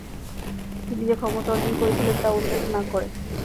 তিনি যে ক্ষমতা অর্জন করেছিলেন তা উল্লেখ না করে।